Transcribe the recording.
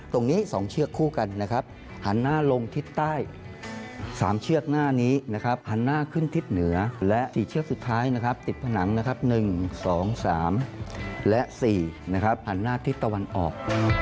ตรงนี้๒เชือกคู่กันนะครับหันหน้าลงทิศใต้๓เชือกหน้านี้นะครับหันหน้าขึ้นทิศเหนือและ๔เชือกสุดท้ายนะครับติดผนังนะครับ๑๒๓และ๔หันหน้าทิศตะวันออก